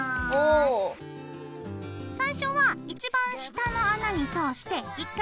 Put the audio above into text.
最初は一番下の穴に通して１回玉結び。